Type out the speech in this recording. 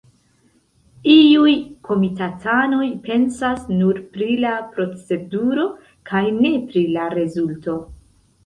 Iuj komitatanoj pensas nur pri la proceduro kaj ne pri la rezulto.